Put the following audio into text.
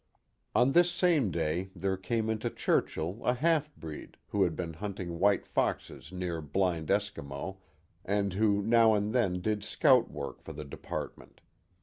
On this same day there came into Churchill a halfbreed who had been hunting white foxes near Blind Eskimo, and who now and then did scout work for the department.